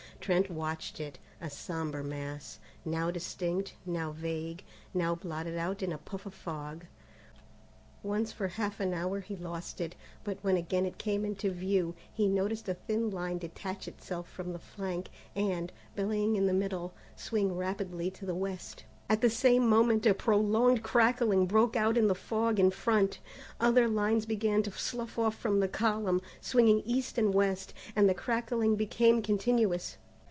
Trent watched it, a sombre mass, now distinct, now vague, now blotted out in a puff of fog. Once for half an hour he lost it, but when again it came into view, he noticed a thin line detach itself from the flank, and, bellying in the middle, swing rapidly to the west. At the same moment a prolonged crackling broke out in the fog in front. Other lines began to slough off from the column, swinging east and west, and the crackling became continuous.